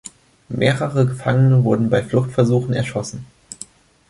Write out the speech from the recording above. Mehrere Gefangene wurden bei Fluchtversuchen erschossen.